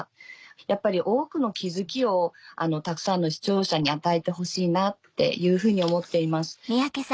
やっぱり多くの気付きをたくさんの視聴者に与えてほしいなっていうふうに思っています。